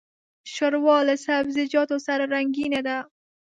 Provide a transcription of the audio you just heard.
ښوروا له سبزيجاتو سره رنګینه ده.